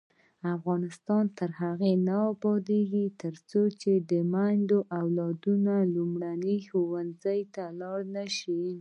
افغانستان تر هغو نه ابادیږي، ترڅو میندې د اولادونو لومړنی ښوونځی نشي.